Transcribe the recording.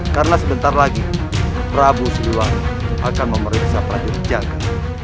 karena sebentar lagi prabu siluang akan memeriksa prajurit jaga